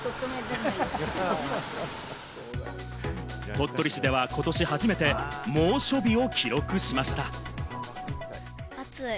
鳥取市では、ことし初めて猛暑日を記録しました。